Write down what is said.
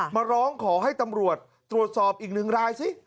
มาร้องขอให้ตำรวจตรวจสอบอีกหนึ่งรายสิ